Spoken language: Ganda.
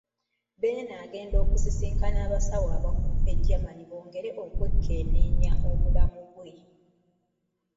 Beene agenda kusisinkana abasawo abakugu e Germany bongere okwekenneenya obulamu bwe.